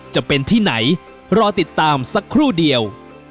จะเป็นที่ไหนรอติดตามสักครู่เดียว